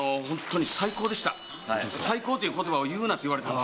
「最高」っていう言葉を言うなって言われたんですけど。